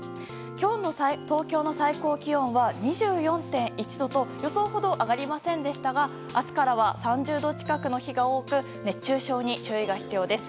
今日の東京の最高気温は２４．１度と予想ほど上がりませんでしたが明日から３０度近くの日が多く熱中症に注意が必要です。